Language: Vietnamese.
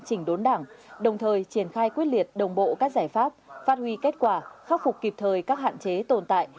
chỉnh đốn đảng đồng thời triển khai quyết liệt đồng bộ các giải pháp phát huy kết quả khắc phục kịp thời các hạn chế tồn tại